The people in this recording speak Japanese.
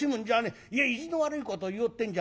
いや意地の悪いことを言おうってんじゃねえんだ。